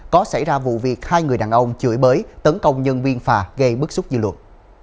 có xảy ra vụ việc hai người đàn ông chửi bới tấn công nhân viên phà gây bức xúc dư luận